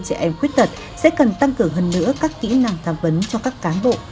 trẻ em khuyết tật sẽ cần tăng cường hơn nữa các kỹ năng tham vấn cho các cán bộ tham vấn trực tiếp